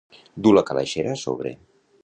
Dur la calaixera a sobre.